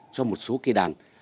cho một số cái đàn